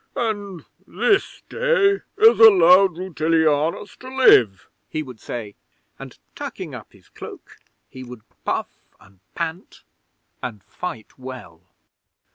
"And this day is allowed Rutilianus to live," he would say, and, tucking up his cloak, he would puff and pant and fight well.